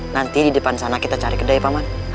nanti di depan sana kita cari kedai paman